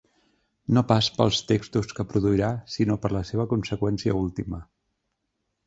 No pas pels textos que produirà, sinó per la seva conseqüència última.